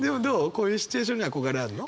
こういうシチュエーションに憧れあるの？